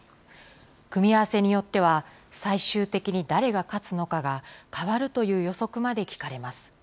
組み合わせによっては、最終的に誰が勝つのかが変わるという予測まで聞かれます。